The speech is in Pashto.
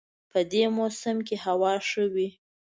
په دې موسم کې هوا ښه وي